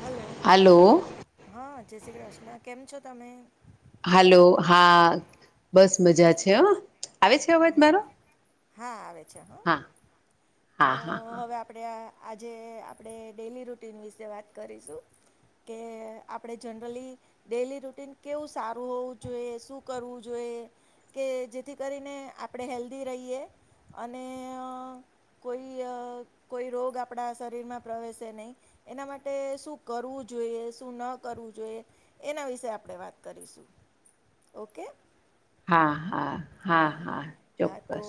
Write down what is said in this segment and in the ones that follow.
Hello hello હા જય શ્રી કૃષ્ણ કેમ છો તમે? હાલલો હા બસ મજા છે આવે છે અવાજ મારો હા આવે છે હ હા હા તો હા હા હવે આપડે આ આજે આપણે ડેલી રૂટીન વિશે વાત કરીશું. કે આપડે જનરલી ડેલી રૂટીન કેવું સારું હોવું જોઈએ શું કરવું જોઈએ કે જેથી કરીને આપણે હેલ્ધી રહીએ. અને કોઈ કોઈ રોગ આપણા શરીરમાં પ્રવેશે નહી એના માટે શું કરવું જોઈએ શું ન કરવું જોઈએ એના વિશે આપણે વાત કરીશું. ઓકે હા હા હા તો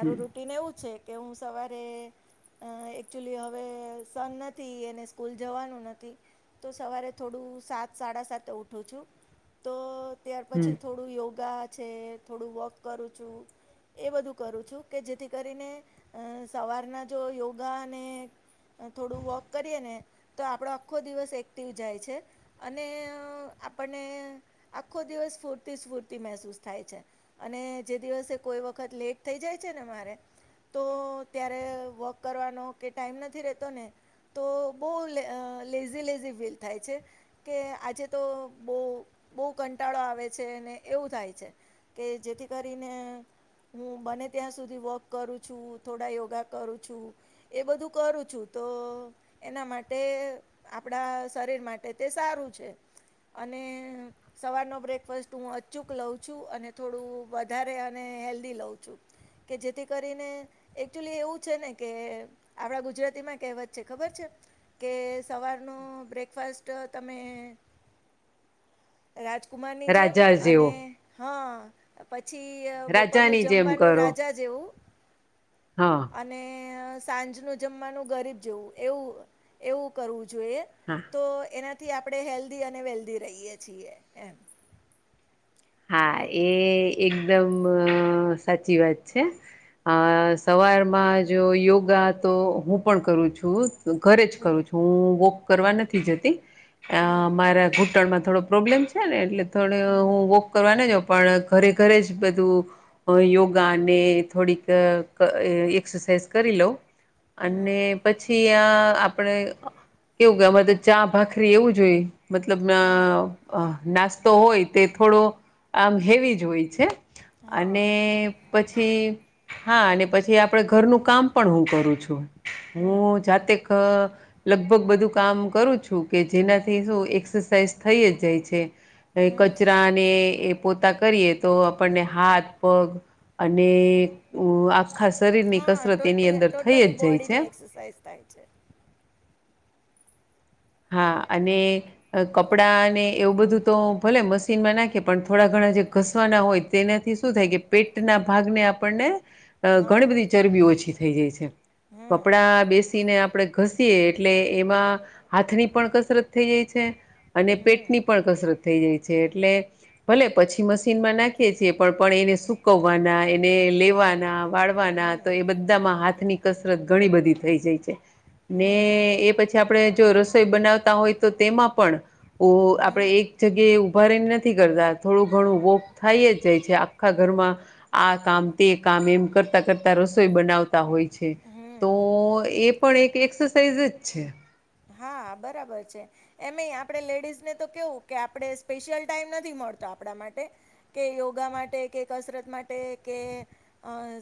હમ રૂટન એવું છે કે હું સવારે અ એકચુલી હવે સન નથી, એને સ્કૂલ જવાનું નથી. તો સવારે થોડું સાત સાડા સાતે ઉઠું છું તો ત્યાર હમ પછી થોડું યોગા છે, થોડું વોક કરું છું. એ બધું કરું છું કે જેથી કરીને સવારના જો યોગાને થોડું વોક કરીએ ને તો આપણો આખો દિવસ એક્ટિવ જાય છે અને આપણને આખો દિવસ સ્ફૂર્તિ સ્ફૂર્તિ મહેસૂસ થાય છે. અને જે દિવસે કોઈ વખત લેટ થઈ જાય છે ને મારે તો ત્યારે વોક કરવાનો કે ટાઈમ નથી રહતો ને તો બઉ લેઝી લેઝી ફીલ થાય છે કે આજે તો બહુ બહુ કંટાળો આવે છે અને એવું થાય છે કે જેથી કરીને હું બને ત્યાં સુધી વોક કરું છું થોડા યોગા કરું છું એ બધું કરું છું. તો એના માટે આપણા શરીર માટે તે સારું છે. અને સવારનો બ્રેકફાસ્ટ હું અચૂક લઉ છું અને થોડું વધારે અને હેલ્ધી લઉં છું. કે જેથી કરીને એકચુલી એવું છે ને કે આપડા ગુજરાતીમાં કેહેવત છે, ખબર છે કે સવારનું બ્રેકફાસ્ટ તમે રાજકુમારની જેમ રાજા અને જેવો હા પછી પછી બપોરનું રાજાની જેમ જમવાનું કરો રાજા જેવું હા અને સાંજનું જમવાનું ગરીબ જવું એવું એવું કરવું જોઈએ હા તો એના થી આપણે હેલ્ધી અને વેલ્ધી રહીય છીએ એમ હા એ એકદમ સાચી વાત છે અ સવારમાં જો યોગા તો હું પણ કરું છું ઘરે જ હમ કરું છું હું વોક કરવા નથી જતી હમ મારા અ ઘૂંટણમાં થોડો પ્રોબ્લેમ છે ને એટલે થોડ હમ હું વોક કરવાને પણ ઘરે ઘરે જ બધું યોગાને થોડીક એરસાઝ કરી લો હમ અને પછી ત્યાં આપડે કેવું કે અમારે તો ચા ભાખરી એવું જોઈએ મતલબ હા અ નાસ્તો હોય તે થોડો આમ હેવી જ હોય છે અને હા પછી હા અને પછી આપ આપડ ઘરનું કામ પણ હું કરું છું હમ હું જાતેક લગભગ બધું કામ કરું છું કે જેનાથી શું એક્સરસાઇઝ થઈ જ જાય છે કચરા હમ ને પોતા કરી તો આપણને હાથ પગ અને આખા શરીર ની હા કસરત એની ટોટી અંદર થઈ ટોટલી જ જાય છે બોડીની એક્સરસાઇઝ થાય છે હા અને કપડા અને એવું બધું તો ભલે મશીનમાં નાખે પણ થોડા ઘણા આપ જે ઘસવાના હોય તેનાથી શું થાય કે પેટના ભાગને આપણને અ હા ઘણી બધી ચરબીઓ ઓછી થઈ જાય છે હમ કપડા બેસીને આપણેે ઘસીએ એટલે એમાં હાથની પણ કસરત થઈ જાય છે અને પેટ ની હમ પણ કસરત થઈ જાય છે એટલે ભલે પછી મશીનમાં નાખીએ છીએ પણ એને સુકવવાના એને લેવાના વાળવાના હમ તો એ બધામાં હાથ ની કસરત ઘણી બધી થઈ જાય છે હમ ને એ પછી આપણે જો રસોઈ બનાવતા હોય તો તેમાં પણ ઓ હમ આપડે એક હમ જગ્યાએ ઉભા રહીને નથી નથી કરતા થોડું ઘણું વોક થાય જ જાય છે આખા ઘરમાં આ કામ તે કામ એમ કર કરતા રસોઈ બનાવતા હોય છે તો હમ એ પણ એક એક્સરસાઇઝ જ છે હા બરાબર છે એમય આપણેે લેડીઝને તો કેવું કે આપડણે સ્પેશિયલ ટાઈમ નથી મળતો આપડા માટે યોગા માટે કસરત માટે કે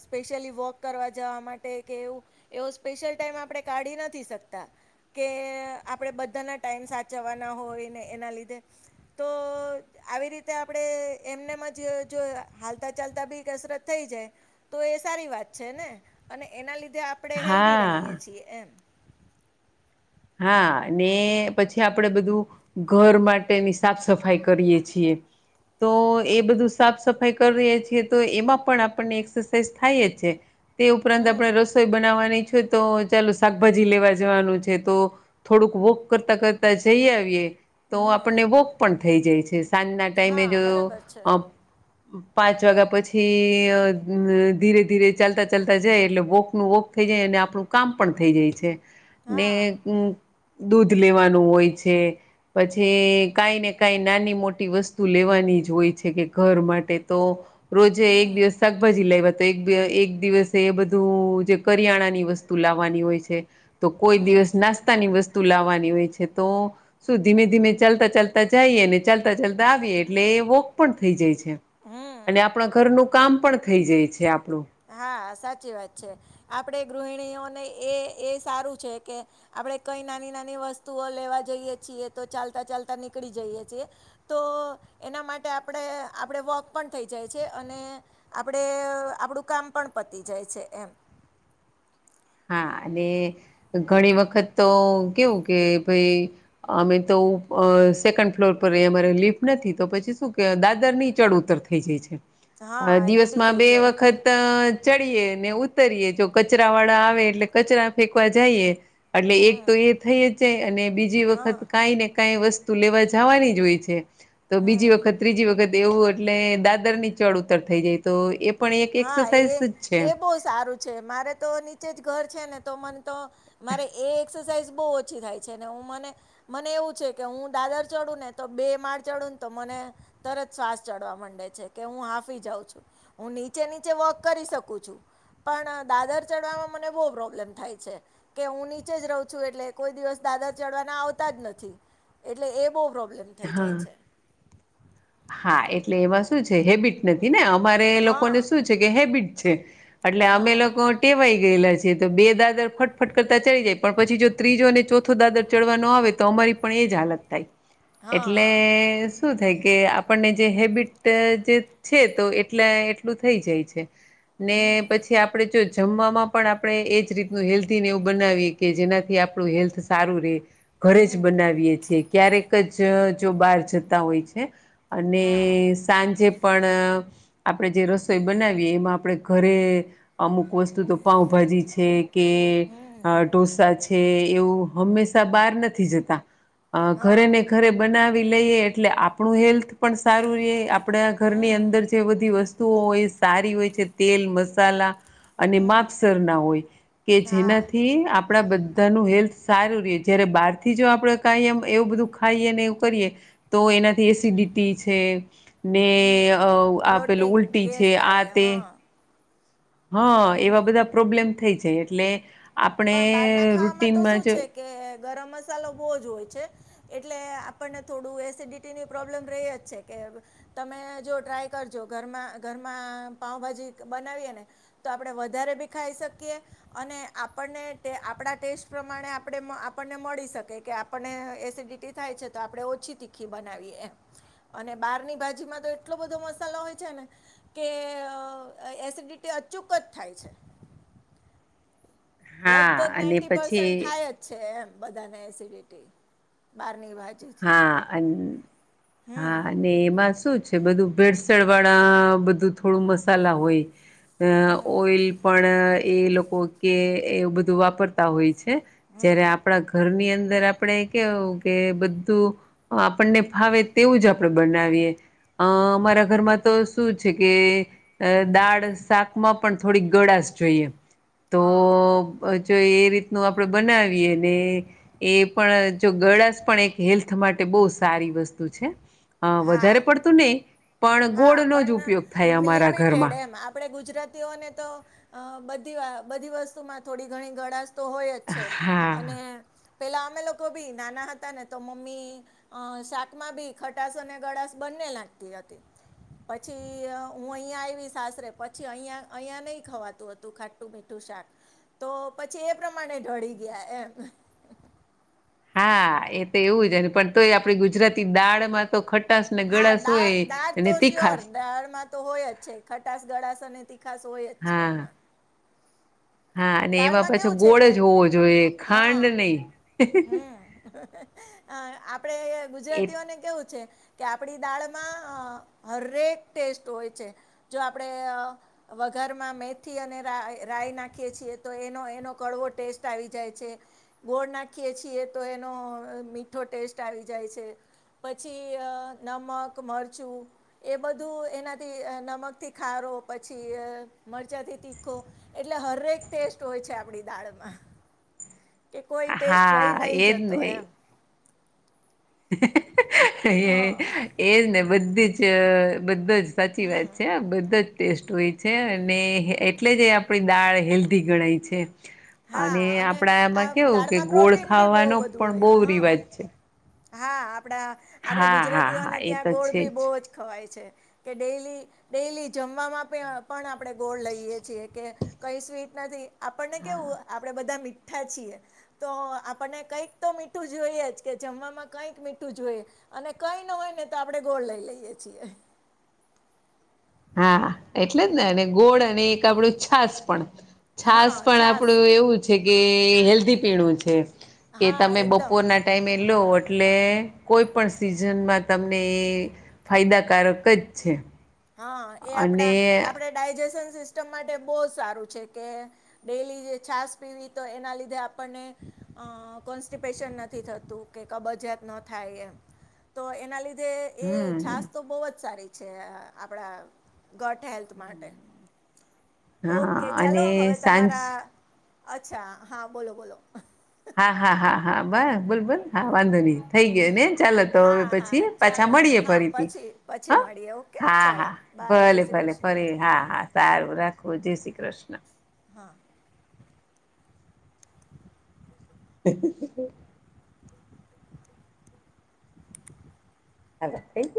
સ્પેશ્યલ વોક કરવા જવા માટે કે એવું એવો સ્પેશિલ ટાઈમ આપણે કાઢી નથી શકતા કે આપણે બધાના ટાઈમ સાચવાના હોય ને એના લીધે તો આવી રીતે આપણે આપણે એમનેમાં જ જો હાલતા ચાલતા બી કસરત થઈ જાય તો એ સારી વાત છે ને અને એના લીધે આપણે હેલ્ધી રહીએ હા છીએ એમ હા ને પછી આપણેે બધું ઘર માટેની સાફ સફાઈ કરીએ છીએ તો એ બધું સાફ સફાઈ કરીએ છીએ તો એમાં પણ આપણને એક્સરસાઇઝ થાય છે તે ઉપરાંત હમ આપડણે રસોઈ બનાવવાની છે તો ચાલો શાકભાજી લેવા જવાનું છે તો થોડુંક વોક કરતા કરતા જઈ આવીએ તો હમ આપણને વોક પણ થઈ જાય છે સાંજના ટાઈમે હા જો બરાબર છે અ પાંચ વાગ્યા પછી અ ધીરે ધીરે ચાલતા ચાલતા જાય એટલે વોકનું વક થઈ જાય અને આપણું કામ પણ થઈ જાય છે ને હા દૂધ લેવાનું હોય છે પછી કઈ ને કઈ નાની મોટી વસ્તુ લેવાની જ હોય છે કે ઘર માટે તો રોજે એક હમ દિવસ શાકભાજી લાયવા તો એક એક દિવસે એ બધું જે કરિયાણાની વસ્તુ લાવવાની હોય છે તો કોઈ દિવસ નાસ્તાની વસ્તુ લાવવાની હોય છે તો શું ધીમે ધીમે ચાલતા ચાલતા જઈએ અને ચાલતા ચાલતા આવીએ એટલે વોક પણ થઈ જાય છે, અને હમ આપણા ઘરનું કામ પણ થઈ જાય છે, આપણું હા. સાચી વાત છે, આપણે ગૃહિણીઓને એ એ સારું છે, કે આપડણે કઈ નાની નાની વસ્તુઓ લેવા જઈએ છીએ તો ચાલતા ચાલતા નીકળી જઈએ છીએ તો એના માટે આપડે આપડે વોક પણ થઈ જાય છે, અને આપણે આપણું કામ પણ પતી જાય છે, એમ. હા અને ઘણી વખત તો કેવું કે ભાઈ અમે તો અ સેકન્ડ ફ્લોર પર અમારે લિફ્ટ નથી તો પછી શું કેહ દાદર ની ચડ ઉતર થઈ જાય છે. હા એ બી દિવસમાં થઈ બે જાય વખત ચડીએ ને ઉતરીએ જો કચરા વાળા આવે એટલે કચરા ફેંકવા જઈએ એટલે એક હમ તો એ થઈ જ જાય અને બીજી વખત હા કાઈ ને કાઈ વસ તું લેવા જાવાની જ હોય છે, તો હમ બીજી વખત ત્રીજી વખત એવું એટલે દાદર ની ચળ ઉતર થઈ જાય તો એ પણ એક હા એ એક્સરસાઇઝ જ છે એ બહુ સારું છે, મારે તો નીચે જ ઘર છે ને તો મને તો મારે એ એક્સરસાઇઝ બહુ ઓછી થાય છે, ને હું મને મને એવું છે કે હું દાદર ચડું ને તો બે માળ ચડું ને તો મને તરત શ્વાસ ચડવા માંડે છે કે હું હાફી જઉ છું હું ની ચે નીચે વોક કરી શકું છું, પણ દાદર ચડવામાં મને બહુ પ્રોબ્લેમ થાય છે કે હું નીચે જ રહઉું છું, એટલે કોઈ દિવસ દાદર ચડવાના આવતા જ નથી એટલે એ બહુ પ્રોબ્લેમ થઈ જાય હા છે. હા એટલે એમાં શું છે, હેબિટ નથી ને અમારે લોકોને હા શું છે કે હેબિટ છે એટલે અમે હા લોકો ટેવાય ગયેલા છે તો બે દાદર ફટફટ કરતા ચડી જાય પણ પછી જો ત્રીજો અને ચોથો દાદર ચડવાનો આવે તો અમ રે પણ એ જ હાલત થાય હા એટલે હા શું થાય કે આ પણને જે હેબિટ જે છે, તો એટલા એટલું થઈ જાય છે ને પછી આપડે જો જમવામાં પણ આપણે એજ રીતનું હેલ્ધી ને એવું બનાવીએ કે જેનાથી આપણું હેલ્થ સારું રે ઘરે જ હમ બનાવીએ છીએ ક્યારેક જ જો બહાર જતા હોય છે, અને હા સાંજે પણ આપણેે જે રસોઈ બનાવીએ એમાં આપણે ઘરે અમુક વસ્તુ તો પાઉ ભા જી છે, કે હમ ઢોસા છે, એવું હંમેશા બહાર નથી જતા અ ઘરે હા ને ઘરે બનાવી લઈએ એટલે આપણું હેલ્થ પણ સારું રે આ આપણા ઘરની હમ અંદર જે બધી વસ્તુઓ હોય એ સારી હોય છે, તેલ મસાલા અને હમ માપસર ના હોય કે હા જેનાથી આપણા બધાનું હેલ્થ સારું રે જયારે બહારથી જો આપણેે કાઈ એમ એવું બધું ખાઈએ ને એવું કરીએ તો એનાથી એસિડિ ટી છે ને હમ અ આપેલું બ્લોટિંગ ઉલટી છે, ગેસ આ થાય તે હા હા હમ એવા બધા પ્રોબ્લેમ થઈ જાય એટલે આપણે પણ બહારના ખાવામાં તો રુટીનમાં શું જ છે કે ગરમ મસાલો બહુ જ હોય છે, એટલે આપણને થોડું એસિડિટીની પ્રોબ્લેમ રેય જ છે કે એમ તમે જો ટ્રાય કરજો ઘરમાં ઘરમાં પાઉભાજી બનાવીએ ને તો આપ પણે વધારે બી ખાઈ શકીએ અને આપ પણને આપણા ટેસ્ટ પ્રમાણે આપણે આપણને મળી શકે કે આપણને એસિડિટી થાય છે તો તો આપડે ઓછી તીખી બનાવીએ એમ અને બારની ભાજીમાં તો એટલો બધો મસાલો હોય છે ને કે અ એસિડિટી અચૂક જ થાય છે. હા લગભગ અને નાઈટી પછી પસૅટ થાય જ છે એમ બધા એસિડિટી બાર હા અન હા હમ અને એમાં શું જ બધું ભેળસણ વાળા બધું થોડું મસાલા હોય અ ઓઈલ પણ એ લોકો કે એ બધું વાપરતા હોય છે, જયારે આપણા ઘરની અંદર આપણેે કેવું કે બ તો આપણને ફાવે તેવું જ આપણે બનાવીએ. અ અમારા ઘરમાં તો શું છે કે, અ દાળ શાકમાં પણ થોડીક ગળા જોઈએ તો હા જો એ રીતનું આપડે બનાવીએ ને એ પણ જો ગળાશ પણ એક હેલ્થ માટે બહુ સારી વસ્તુ છે. અ વધારે હા પડતું નહી પણ હા ગોળનો જ ઉપયોગ પણ થાય અમારા લિમિટેડ ઘરમાં. એમ. આપડે ગુ ગુજરાતીઓને તો અ બધી વા બધી વસ્તુમાં થોડી ઘણી ગળાશ તો હોય જ છે. અને હા પેલા અમે લોકો બી નાના હતા ને તો મમ્મી અ શાકમાં બી ખટાસ અને ગળાશ બન ને લાગતી હતી. પછી હું અહીંયા આઇવી સાસરે, પછી અહીંયા અહીંયા નહીં ખાવાતું હતું ખાટું મીઠું શાક. તો પછી એ પ્રમાણે ઢળી ગયા એમ. હા એ તો એવું જ ને પણ તોય આપડી ગુજરાતી દાળમાં તો ખટ હા દાળ દાળ તો સ્યોર. દાળમાં તો હોય જ છે. ખ ખટાસ ગળાશ અને તીખાસ હોય જ છે હા એમાં. હા અને એમાં દાળમાં પાછો કેવું છે ગોળ કે જ હોવો જોઈએ ખાંડ હા નહી. હમ અ આપડે એ ગુજરાતીઓને કેવું છે કે આપડી દાળમાં હરેક ટેસ્ટ હોય છે. જો આપણેે વઘારમાં મેથી અને રા રાય નાખીએ છીએ, તો એનો એનો કડવો ટેસ્ટ આવી જાય છે. ગોળ નાખીએ છીએ તો એનો મીઠો ટેસ્ટ આવી જાય છે. પછી નમક, મરચું એ બધું એનાથી નમકથી ખારો પછી મરચાથી તીખો. એટલે હરેક ટેસ્ટ હોય છે આપડી દાળમાં. કે કોઈ ટેસ્ટ રહી હા નહ એજ જતો ને એમ. એ હા એ જ ને બધી જ અ બધ જ સાચી વાત છે. આ બધા જ ટેસ્ટ હોય છે અને એટલે જ એ આપણી દાળ હેલ્ધી ગણાય છે. અને હા આપડા આ એમાં કેવું કે, દાળમાં ગોળ પ્રોટીન બી બહુ ખાવાનો બધું પણ હોય બવ હા રિવાજ છે. હા આપડા આપડે હા હા ગુજરાતીઓને હા એ ત્યાં તો ગોળ છે બી બવ જ ખવાય છે. કે ડેલી ડેલી જમવામાં પે પણ આપણે ગોળ લઈએ છીએ. કે કઈ સ્વીટ નથી આપણને કેવું આપડે બધા મીઠા છીએ. તો, આપને કઈક તો મીઠું જોઈએ જ. કે જમવામાં કઈક મીઠું જોઈએ અને કઈ ન હોય ને તો આપણે ગોળ લઈ લઈએ છીએ. [inaudible] હા એટલે જ ને અને ગોળ અને એક આપણું છાસ પણ. છાસ હા પણ છાસ આપણું એવું છે કે એ હેલ્ધી પીણું છે. કે હા તમે એકદમ બપોરના ટાઈમે લો એટલે કોઈ પણ સિઝનમાં તમને એ ફાયદાકારક જ છે. હા એ આપડા અને આપડે ડાયજેશન સિસ્ટમ માટે બહુ જ સારું છે. કે ડેલી જે છાસ પીવી, તો એના લીધે આપણને અ કોન્સ્ટિપેશન નથી થતું, કે કબજયાત ન થાય એમ. તો એના લીધે જે એ છાસ હમ તો બહુ જ સારી છે આપડા ગટ હેલ્થ માટે. હા ઓકે. ચાલો અને હવે સાંજ તમારા અચ્છા, હા બોલો બોલો. હા હા હા હા બ બોલ બોલ હા વાંધો નહી. થઈ ગયોને. ચાલો તો. હા હવે હા પછી હા પાછા ચાલો મળીએ હા ફરીથી પછી હ. પછી મળીએ ઓકે હા ચાલો હા. બાય જય ભલે શ્રી ભલે. કૃષ્ણ ફરી હા હા સારું રાખો. જય શ્રી કૃષ્ણ. હા [unintelligible] હ થેન્ક યુ